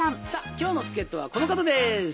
今日の助っ人はこの方です！